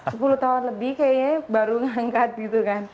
sepuluh tahun lebih kayaknya baru ngangkat gitu kan